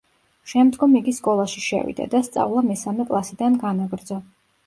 შემდგომ იგი სკოლაში შევიდა და სწავლა მესამე კლასიდან განაგრძო.